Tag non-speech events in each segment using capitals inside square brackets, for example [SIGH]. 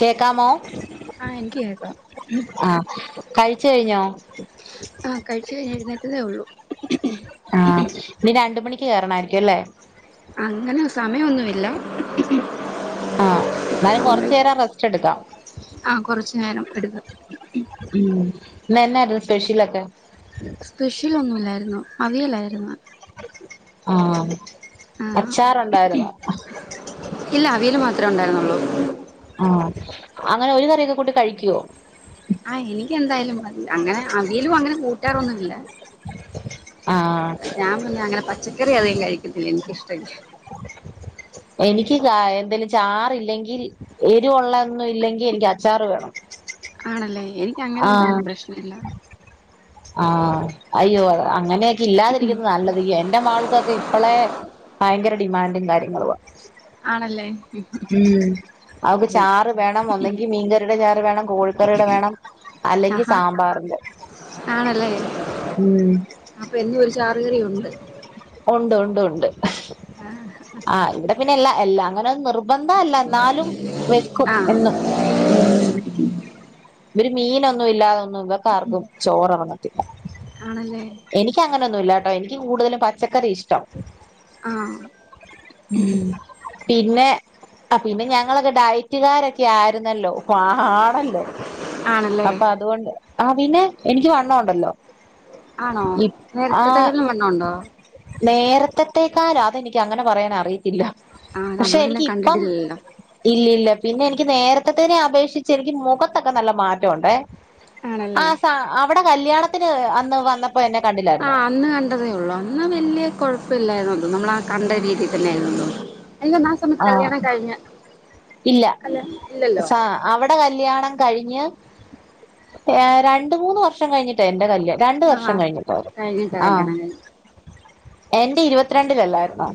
കേക്കാമോ ആഹ് എനിക്ക് കേക്കാം ആ കഴിച്ച കഴിഞ്ഞോ ആഹ കഴിച്ച കഴിഞ്ഞ ഇരുന്നേറ്റതേ ഉള്ളൂ ആഹ് ഇനി രണ്ട് മണിക്ക് കേറണായിരിക്കും അല്ലേ അങ്ങനെ സമയം ഒന്നുമില്ല ആ എന്നാലും കുറച്ചു നേരം റെസ്റ്റ് എടുക്കാം ആഹ് കൊറച്ചു നേരം എടുക്കും മമ് ഇന്നു എന്തായിരുന്നുസ്പെഷ്യലൊക്കെ സ്പെഷ്യൽ ഒന്നുമില്ല അവിയലായിരുന്നു ആ ആ ഇല്ല അവിയല് മാത്രമേ ഉണ്ടായിരുന്നുള്ളൂ ആ അങ്ങനെ ഒരു കറിയൊക്കെ കൂട്ടി കഴിക്കുവോ ആ എനിക്ക് എന്തായാലും മതി അങ്ങനെ അവിയലും അങ്ങനെ കൂട്ടാറൊന്നുല്ല ആഹ് ഞാൻ പിന്നെ അങ്ങനെ പച്ചക്കറി അധികം കഴികില്ല സത്യത്തിൽ എനിക്കിഷ്ട ഇല്ല എനിക്ക് എന്തേലും ചാറില്ലെങ്കിൽ എരിവുള്ള ഒന്നും ഇല്ലെങ്കിൽ എനിക്ക് അച്ചാർ വേണം ആണല്ലേ എനിക്ക് അങ്ങനെ ഒന്നും പ്രശ്ന ഇല്ല ആ അയ്യോ അങ്ങനെയൊക്കെ ഇല്ലാതിരിക്കുന്നത നല്ലത് എന്റെ മാൾക്കൊക്കെ ഇപ്പോഴേ ഭയങ്കര ഡിമാൻഡും കാര്യങ്ങളുവാ ആണല്ലേ ഉം അവക്ക് ചാറ് വേണം ഒന്നെങ്കിൽ മീൻകറിയുടെ ചാറ് വേണം കോഴിക്കറിയുടെ വേണം അല്ലെങ്കിൽ ആഹാ സാമ്പാറിന്റെ ആണല്ലേ ഉം ചാറുകറി ഉണ്ട് ഉണ്ട് ഉണ്ട് ഉണ്ട് ആ ഇവിടെ പിന്നെ എല്ലാം അങ്ങനെ നിർബന്ധം നിർബന്ധം അല്ല എന്നാലും വെക്കും ആഹ് എന്നും ഉ മീൻ ഒന്നും ഇല്ലാതെ ഇവര്‍ക്ക്‌ ആർക്കും ചോറ് ഇറങ്ങത്തില്ല ആണല്ലേ എനിക്കങ്ങനെ ഒന്നുമില്ല നിർബന്ധമൊന്നുമില്ല ട്ടോ എനിക്ക് കൂടുതലും പച്ചക്കറിയ പച്ചക്കറിയ ഇഷ്ടം ആഹ് ഉം പിന്നെ ആ പിന്നെ ഞങ്ങളൊക്കെ ഡൈ കൂട്ടുകാരൊക്കെ ആയിരുന്നല്ലോ അപ്പൊ ആ ആണല്ലോ ആണല്ലേ അപ്പൊ അതുകൊണ്ട് ആ പിന്നെ എനിക്ക് വണ്ണം ഉണ്ടല്ലോ ആണോ നേരത്തത്തേക്കാട്ടിലും വണ്ണം ഇണ്ടോ നേരത്തത്തേക്കാലോ അതെനിക്ക് അങ്ങനെ പറയൻ അറിയത്തില്ല ആഹ് പക്ഷെ നമ്മള് പിന്നെ എനിക്ക് ഇപ്പം കണ്ടിട്ടില്ലല്ലോ ഇല്ലില്ല പിന്നെ എനിക്ക് എനിക്ക് നേരത്തെതിനെ അപേക്ഷിച്ച് എനിക്ക് മുഖത്തൊക്കെ നല്ല മാറ്റമുണ്ട് ആ ആണല്ലേ സ അവിട കല്യാണ ത്തിന് അന്ന് വന്നപ്പോ എന്നെ കണ്ടില്ലായിരുന്നോ. എന്ന വല്യാ കുഴപ്പില്ലായിന്നോ നമ്മള് ആ കണ്ട രീതിയിൽ തന്നെ [UNINTELLIGIBLE] ആ ഇല്ല കല്യാണം ഇല്ലല്ലോ സ അവിട കല്യാണം കഴിഞ്ഞ് രണ്ട് മൂന്ന് വർഷം കഴിഞ്ഞിട്ട് എന്റെ. കല്യാ രണ്ട് വർഷം ആഹ് കഴിഞ്ഞിട്ട് അവര്. കഴിഞ്ഞിട്ടാ കല്യാണം കഴിഞ്ഞ് എന്റെ ഇരുപ പത്രണ്ടിലല്ലായിന്നോ.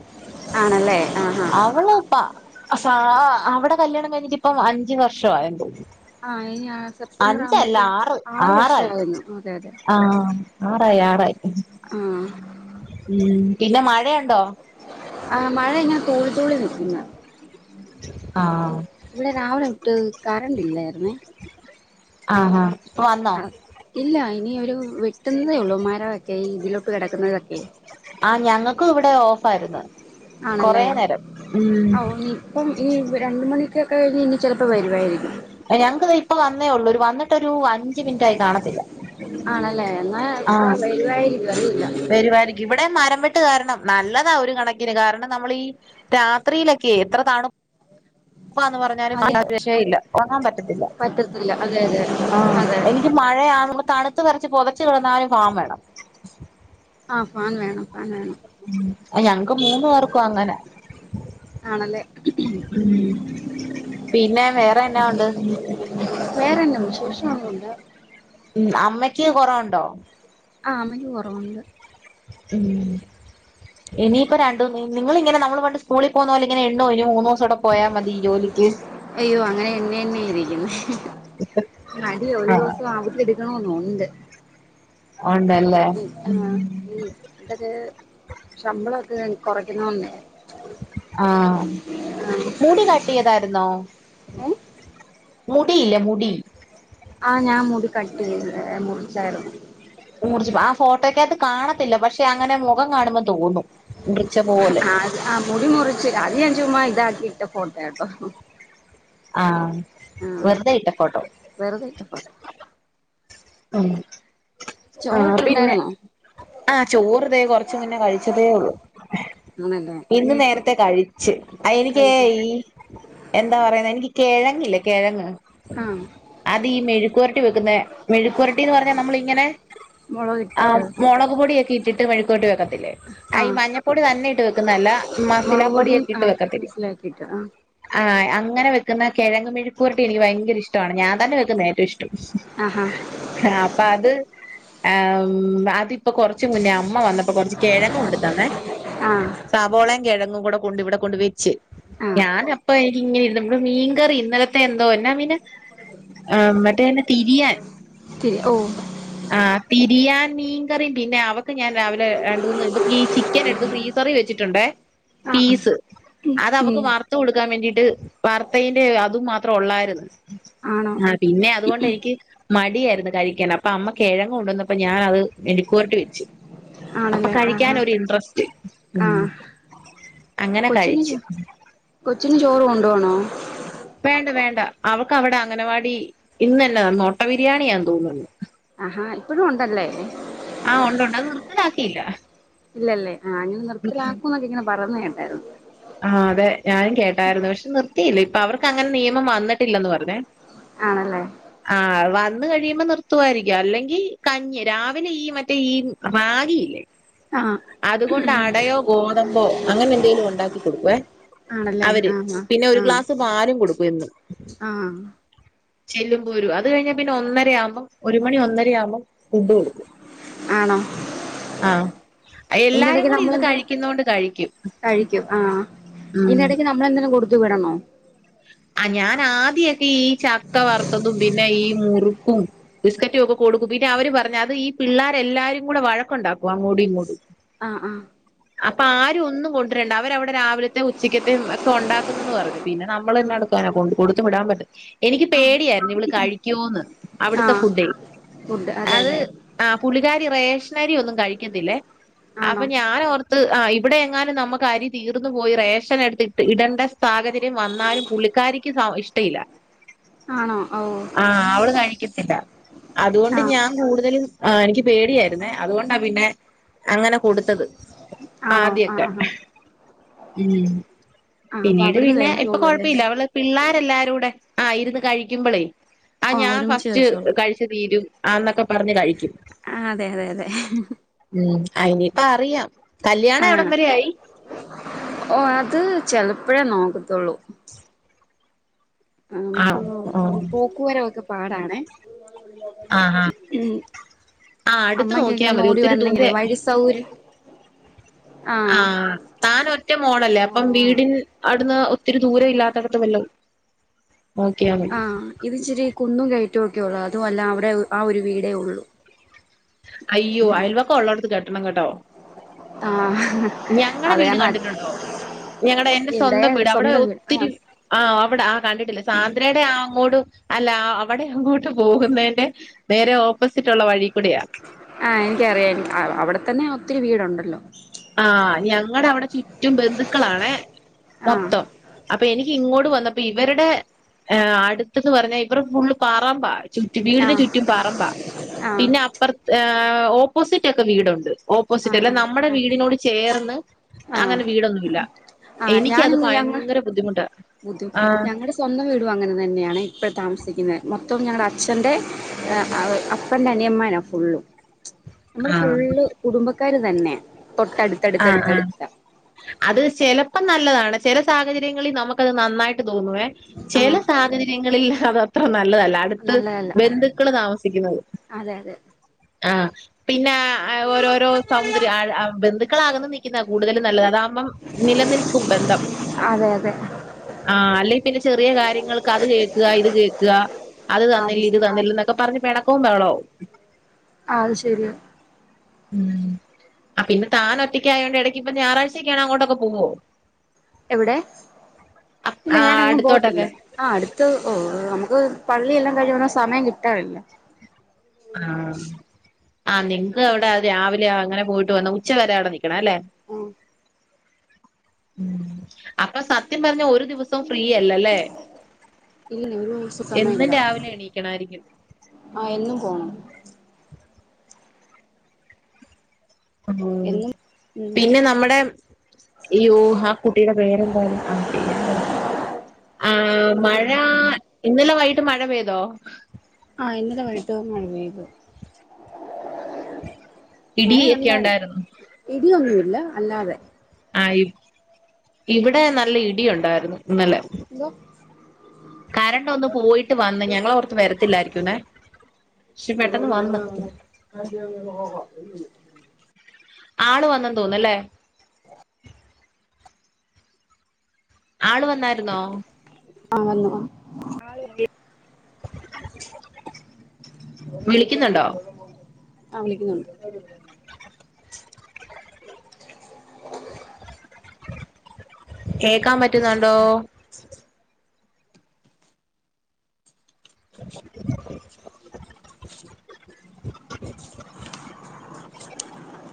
ആണല്ലേ ആഹ് ആഹ് അവിടെ കല്യാണം കഴിഞ്ഞിട്ട് ഇപ്പം അഞ്ചു വർഷ ആയ. ആ ഇ സെപ്റ്റംബർ ആവുമ്പത്തേക്കും ആറ് ആറായി ആറുവർഷം ആകുന്നു. അതെ അതെ. ആഹ് ആറായി ആറായി. ആ ഉം പിന്നെ മഴയുണ്ടോ? ആ മഴ ഇന തുള്ളി തുള്ളി നിക്കുന്ന ആഹ് ഇവിടെ രാവിലെ [UNINTELLIGIBLE] കറണ്ടല്ലായിന്നേ. ആ ഹ. ആ ഇല്ല. [UNINTELLIGIBLE] കിടക്കുന്നതൊക്കെ ആഹ് ഞങ്ങക്കും ഇവിടെ ഓഫായിരുന്നു കൊറേ ആണല്ലേ. നേരം ഉം ഒ ഇപ്പൊ ഈ രണ്ട് മണി. [UNINTELLIGIBLE] ഞങ്ങക്ക് ദെ ഇപ്പ വന്നേ ഉള്ളൂ ഒരു [UNINTELLIGIBLE] ഒരു അഞ്ച് മിനിറ്റ് ആയി കാണത്തില്ല. ആ ഇപ്പ ആഹ് വരുവായിരിക്കും അറിയില്ല. വരുവായിരിക്കും ഇവിടെ മരം. [UNINTELLIGIBLE] കാരണം നല്ലതാ ഒരു കണക്കിന്. കാരണം നമ്മളീ രാത്രിയിലൊക്കെ എത്ര തണു പ്പാന്ന് പറഞ്ഞല്ല് അതെ ഒരു രക്ഷയില്ല ഉറങ്ങാൻ പറ്റത്തില്ല. പറ്റത്തില്ല അതെ അതെ ആ അതെ എനിക്ക് മഴയാ തണുത്ത് വിറച്ച് പൊതച്ച് കിടന്നാലും ഒരു ഫാൻ വേണം. ആ ഫാൻ വേണം. അനാന്ന് ഞങ്ങക്ക് മൂന്ന് പേർക്കും അങ്ങനെ ആണല്ലേ ഉം പിന്നെ വേറെ എന്നാ ഉണ്ട് വേറെനാ വിശേഷം. [UNINTELLIGIBLE] ഉം അമ്മക്ക് കൊറവൊണ്ടോ ആ അമ്മയ്ക്ക് കൊറവൊണ്ട് ഉം ഇനിയിപ്പോരണ്ടു നിങ്ങളിങ്ങനെ നമ്മൾ പണ്ട് സ്കൂളിൽ പോന്നപോലെ ഇങ്ങനെ എണ്ണോ ഇനി മൂന്നുദിവസോടെ പോയാ മതി ജോലി- അയ്യോ അങ്ങനെ എണ്ണിയെണ്ണി ഇരിക്കുന്നു മടിയാ ഒരു ദിവസം അവധി എടുക്കണെന്നൊ- ണ്ട് [UNINTELLIGIBLE] ഉണ്ടല്ലേ ആ ഇനി ഇതൊക്കെ ശമ്പള- കൊറയ്ക്കുന്നോണ്ടേ ആഹ് മുടികട്ടിയ്താരുന്നോ ഏ മുടിയില്ലെ മുടി ആഹ് ഞാൻ മൂടിക്കെട്ടിയ മു- ചാരും ഊർജ്ജം ആ ഫോട്ടോക്കാത്ത് കാണത്തില്ല പക്ഷെ അങ്ങനെ മുഖം കാണുമ്പൊ തോന്നും മുറിച്ച പോലെ അത് ആ മുടിമുറിച്ചു അതിഞാചുമ്മ ഇതാക്കി മറ്റ്ഫോട്ടയാട്ടോ ആഹ് വെറുതെ ഇട്ടഫോട്ടോ- വെറുതെ ഇട്ട ഫോട്ടോ ആഹ് ആ ചോറൊക്കെ പിന്നെ ഉണ്ടായിരുന്നോ ആ ചോറ്തെ കൊറച്ചു മുന്നെ കഴിച്ചതേ ള്ളു ആണല്ലേ ഇന്ന് ഇനി നേരത്തെ കഴിച്ച് അയെനിക്കെ കഴിച്ച് ഈ എന്താ പറയുന്നെ എനിക്ക് കെഴ- ങ്ങില്ലെ കെഴങ്ങ് ആ [UNINTELLIGIBLE] അതീ മെഴുക്കുവരട്ടി വെക്കുന്ന മെഴുക്കവരട്ടിന്ന് പറഞ്ഞ നമ്മളിങ്ങനെ മുളക് ആ ഇട്ടിട്ട് മൊളക്പൊടിയൊക്കെയിട്ട് ട്ടിട്ട് മെഴക്കരട്ടിവക്ക- [UNINTELLIGIBLE] ആ ഈ മഞ്ഞപ്പൊടി തന്നെ ഇട്ട് വെക്കുന്നതല്ല മുളക് പൊടിയും മസിലാപ്പൊടിയൊക്കെയിട്ട് ആ വെക്കത്തില്ലെ മസിലാക്കിയിട്ട് ആ ആ അങ്ങനെവെക്കുന്ന കിഴങ്ങ്മെഴുക്കുവരട്ടിഎനിക്ക് ഭയങ്കരിഷ്ടവാണ് ഞാൻതന്നെവെക്കുന്ന ഏറ്റൊഷ്- ആഹാ ആഹ് അപ്പ അത് ആ അതിപ്പൊ കൊറച്ച്മുന്ന- അമ്മ വന്നപ്പോ കൊറച്ച് കെഴങ്ങ് കൊണ്ട്ത്തന്നെ ആ സബോളേം കെഴുങ്ങും കൂടെകൊണ്ട് ഇവിടെകൊണ്ട് വെ- ച്ച് ആ ഞാൻ അപ്പ എനിക്കിങ്ങനി- മീങ്കറി ഇന്നലത്തെ എന്തോ എന്നാമീനാ മറ്റേ എന്ന തിരിയാൻ ശരി ഓ ആ തിരിയാൻ മീങ്കറീം പിന്നെ അവക്ക് ഞാൻ രാവിലെ രണ്ടൂന്ന് ഇത് ഈ ചിക്കൻ എടുത്ത് ഗ്രീസറി വെച്ചിട്ടുണ്ടെ ആ ആ പീസ് അതവക്ക് ഉം വറുത്ത് കൊടുക്കാൻ വേണ്ടീട്ട് വർത്തേന്റെ അതും മാത്രെ ഒള്ളാരുന്ന് ആണോ ആ പിന്നെ അതുകൊണ്ട് എനിക്ക് മടിയാരുന്നു കഴിക്കാൻ അപ്പൊ അമ്മ- കെഴങ്ങൊണ്ടന്നപ്പൊ ഞാനത് മെഴുക്കൂരട്ടിവെച്ചു അപ്പ ആണല്ലേ കഴിക്കാൻ ആഹാ ഒരു ഇൻട്രസ്റ്റ് ഉം ആ അങ്ങനെ കൊച്ചിന് കഴിച്ച് ചു കൊച്ചിന് ചോറ്കൊണ്ടോണോ വേണ്ട വേണ്ട അവക്ക് അവടെ അംഗനവാടി ഇന്നെന്ന മൊട്ടബിരിയാണിയാന്ന് തോന്നുന്ന് ആഹാ ഇപ്പഴും ഒണ്ടല്ലെ ആഹ് ഒണ്ടൊണ്ട് അത് നിർത്തലാക്കീല്ല ഇല്ലല്ലേ ആ ഇഞ്ഞ് നിർത്തലാക്കും ന്നൊക്കെ ഇങ്ങനെ പറയുന്നെ [UNINTELLIGIBLE] [UNINTELLIGIBLE] ആഹ് അതെ ഞാനും കേട്ടായിരുന്നു പക്ഷെ നിർ ത്തി ഇല്ല ഇപ്പൊ അവർക്ക് അങ്ങനെ നിയമം വന്നിട്ടില്ലെന്ന് പറഞ്ഞേ ആണല്ലേ ആഹ് വൻ വന്ന് കഴിയുമ്പോ നിർത്തുവായിരിക്കു അല്ലെങ്കി കഞ്ഞി രാവിലെ ഈ മറ്റേ ഈ റാഗിയില്ലേ ആഹ് കൊണ്ട് അടയോ ഗോതമ്പോ അങ്ങനെ എന്തെങ്കിലും ഉണ്ടാക്കി കൊടുക്കുവേ ആണല്ലേ അവര് ആഹ് പിന്നെ ഒരു ആഹ് ഗ്ലാസ് പാലും കൊടുക്കും എന്നും ആഹ് ചെല്ലുമ്പോ ഒരു അത് കഴിഞ്ഞാ പിന്നെ ഒന്നര ആവുമ്പം ഒരു മണി ഒന്നരയാവുമ്പം ഫുഡ് കൊടുക്കും ആണോ ആഹ് ഇതിന്റെ എല്ലാരും ഇടയ്ക്ക് കൂടി ഇരുന്ന് നമ്മളെന്തേലും കഴിക്കുന്ന അ് കൊണ്ട് കഴിക്കും കഴിക്കും ആഹ് ഇതിന്റെ ഇടയ്ക്ക് നമ്മളെന്തേലും കൊടുത്തു വിടണോ ആ ഞാൻ ആദ്യയെക്കെ ഈ ചക്ക വറുത്തതും പിന്നെ ഈ മൂ റുക്കും ബിസ്ക്കറ്റും ഒക്കെ കൊടുക്കും പിന്നെ അവര് പറഞ്ഞ അത് ഈ പിള്ളേരെ എല്ലാരും കൂടെ വഴക്കുണ്ടാക്കും അങ്ങോടും ഇങ്ങോട്ടും ആഹ് ആഹ് അപ്പ ആരും ഒന്നും കൊട് രണ്ട അവരവിടെ രാവിലത്തേം ഉച്ചക്ക ത്തേം ഒക്കെ ഉണ്ടാക്കുന്നന്ന് പറഞ്ഞു പിന്നെ ന നമ്മളെന്നാട്ക്കാനാ കൊണ്ട് കൊട് ത്ത് വിടാൻ പറ്റും എനിക്ക് ആഹ് പേടിയായിരുന്നു ഇവള് കഴിക്കോന്ന് അവിടുത്തെ ആഹ് ഫുഡേയ് ഫുഡ് അതെ അത് അതെ ആ പുള്ളിക്കാരി റേ റേഷനരി ഒന്നും കഴിക്കത്തില്ലേ ആണോ അപ്പൊ ഞാന് ഓർ ത്ത് ആ ഇവിടെ എങ്ങാനും നമ്മക്ക് അരി തീർന്നു പോയി റേഷൻ എടുത്തിട്ട് ഇടേണ്ട സാഹചര്യം വന്നാലും പുള്ളിക്കാരിക്ക് സ ഇഷ്ടയില്ല ആണോ ഓ ആഹ് അവള് കഴിക്കത്തില്ല അതുകൊണ്ട് ആഹ് ഞാൻ കൂടുതലും ആ എനിക്ക് പേടിയായിരുന്നേ അതുകൊണ്ടാ പിന്നെ അങ്ങനെ കൊടുത്തത് ആണോ ആ ആദ്യൊക്കെ ആ ആ ഉം പിന്നീട് പിന്നെ ഇപ്പൊ കഴിച്ചോളൂ കൊഴ അല്ലേ ഇപ്പില്ലേ അവള് പിള്ളേ എല്ലാരൂടെ ആ ഇരുന്ന് കഴിക്കുമ്പളേ ആ ആഹ് ഞാൻ ഒരുമിച്ച് ഫസ്റ്റ് കഴിച്ചോളാം കഴിച് തീരും ആ എന്നൊക്കെ പറഞ്ഞു കഴിക്കും ആഹ് അതെ അതെ അതെ ഉം അയിനിപ്പ അറിയാം കല്യാണം എവിടം ആഹ് വരെ ആയി? ചെലപ്പോഴേ നോക്കത്തുള്ളൂ. ആ നമുക്ക് ആണോ ആഹ് പോക്കുവര ഒക്കെ പാടാണെ ആഹ് ആഹ് ഉം ആഹ് അടുത്ത് അമ്മക്കൊക്കെ നോക്കിയാ ഒന്ന് മതി ഓടി ഒത്തിരി വരണെങ്കിലേ വഴി സൗകര്യം ആ ആഹ് താൻ ഒറ്റ മോളല്ലേ അപ്പം വീടിൻ ന്ന് ഒത്തിരി ദൂരം ഇല്ലാത്തടത്ത് വല്ലവും ആ ഇത്ച്ചിരി കുന്നും ക ചറ്റുമ ഒക്കെ ഉള്ളൂ അതും അല്ല അവിടെ ആ ഒരു വീടേ ഉള്ളൂ. അയ്യോ അയൽവക്കെ ഉള്ളോടുത്ത് കെ ട്ടണം കേട്ടോ ആ ഞങ്ങടെ വീട് കണ്ടിട്ടുണ്ടോ ഞങ്ങടെ എന്റെ ഇവിടെ സ്വന്തം വീട് അവിടെ സ്വന്തം വീട് ആഹ് ഒത്തിരി ആ അവിടെ ആ കണ്ടിട്ടില്ല സാന്ദ്രയുടെ ആ അങ്ങോട്ട് അല്ല അവിടെ അങ്ങോട്ട് പോകുന്നതിന്റെ നേരെ ഓപ്പോസിറ്റ് ഉള്ള വഴി കൂടെയാ ആ എനിക്കറിയ അവിടെത്തന്നെ ഒത്തിരി വീടുണ്ടല്ലോ ആ ഞങ്ങളുടെ അവിടെ ചുറ്റും ബന്ധുക്കളാണേ ആഹ് മൊത്തം അപ്പൊ എനിക്ക് ഇങ്ങോട്ട് വന്നപ്പോ ഇവരുടെ അടുത്തന്ന് പറഞ്ഞാൽ ഇവടെ ഫുൾ [UNINTELLIGIBLE] ചുറ്റും വീടിനു ആഹ് ചുറ്റും പറമ്പാ ആഹ് പിന്നെ അപ്പറത്തെ ആ ഓപ്പോസിറ്റ് ഒക്കെ വീടുണ്ട് ഓപ്പോസിറ്റ് ആഹ് അല്ല ആഹ് നമ്മുടെ ആഹ് വീട് അതിനോട് ചേർന്ന് ആഹ് അങ്ങനെ വീടൊന്നുല്ല ആഹ് എനിക്ക് അത് ഞാനിന്ന് ഞങ്ങൾ ഭയങ്കര ബുദ്ധിമുട്ട് [UNINTELLIGIBLE] ഞങ്ങടെ സ്വന്തം വീടും അങ്ങനെ തന്നെയാണേ ഇപ്പ താമസിക്കുന്നത് മൊത്തം ഞങ്ങടെ അച്ഛന്റെ അപ്പന്റെ അനിയന്മാരാ ഫുൾ നമ്മള് ഫുള്ള് കുടുംബ കരുതെന്നെ ആ ആ അത് ചിലപ്പോ നല്ലതാണ് ചില സാഹചര്യങ്ങളിൽ നമുക്കത് നന്നായിട്ട് തോന്നുവേ ചെല ആഹ് സാഹചര്യങ്ങളിൽ അതത്ര നല്ല ല്ലതല്ല അടുത്ത് നല്ലതല്ല ബന്ധുക്കള് താമസിക്കുന്നത് അതെ അതെ ആ. പിന്നേ ഓരോരോ സൗന്ദര്യ ആഴ് ആ ബന്ധു ക്കളകന്നു നിക്കുന്നതാ കൂടുതലും നല്ലത് അതാകുമ്പം നിലനിൽക്കും ബന്ധം. അതെ അതെ ആഹ് അല്ലെങ്കിൽ പിന്നെ ചെറിയ കാര്യങ്ങൾക്ക് അത് കേക്ക്ക ഇത് കേക്ക്ക അത് തന്നില്ലിത് തന്നില്ലെന്നൊക്കെ പറഞ്ഞ് പെണ ഓന്നാണോ? അതു ശെരിയാ ഉം ആ പിന്നെ താൻ ഒറ്റക്കായോണ്ട് ഇടക്ക് ഇപ്പ ഞായറാഴ്ചൊക്കാണെ അങ്ങോട്ടൊക്കെ പോവ്വോ? എവിടെ? ഇല്ല ആഹ് ഞാനെങ്ങും അടുത്തോട്ടൊക്കെ പോകത്തില്ല, ആ അടുത്ത് ഓ നമുക്ക് പള്ളിയെല്ലാം കഴിഞ്ഞ് വന്നാ സമയം കിട്ടാറില്ല ആഹ് ആഹ് നിൻക്ക് അവ്ടെ അത് രാവിലെ ആ അങ്ങനെ പോയിട്ട് വന്ന് ഉച്ച വരെ അവിടെ നി ക്ക്ണാല്ലേ? ഉം ഉം അപ്പം സത്യം പർഞ്ഞ ഒരു ദിവസോം ഫ്രീയല്ലല്ലേ ഇല്ല ഒരു ദിവസം എന്നും സമയമില്ല രാവിലെ എണീക്കണായ്രിക്കും ആഹ് എന്നും പോണം ഉം എന്നും ഉം പിന്നെ നമ്മടെ യ്യോ ആ കുട്ടീടെ പേരെന്താ ആ പേര് ആഹ് മഴാ ഇന്നലെ വൈകിട്ട് മഴ പെയ്തോ? ആഹ് ഇന്നലെ വയ്കിട്ട് മഴ പെയ്തു. മഴ ഇടിയൊക്കെ ഒണ്ടാര് ഉണ്ടായിരുന്നു ഇടിയൊന്നു ല്ല അല്ലാതെ ആഹ് ഇവ് ഇവ്ടെ നല്ല ഇടിയൊണ്ടാര്ന്നു കരണ്ട് ഒന്ന് പോയിട്ട് വന്ന് ഞങ്ങളോർത്ത് [UNINTELLIGIBLE] വരത്തില്ലായിരിക്കുംന്നേ പക്ഷെ പെട്ടെന്ന് വന്ന് [UNINTELLIGIBLE] ആള് വന്നെന്ന് തോന്ന്ന് ഇല്ലേ ആള് വന്നായിരുന്നോ? ആ വന്നു വ [INAUDIBLE] [UNINTELLIGIBLE] വിളിക്കുന്നുണ്ടോ ആ വിളിക്കുന്നൊണ്ട്. കേക്കാൻ പറ്റുന്നൊണ്ടോ? [INAUDIBLE]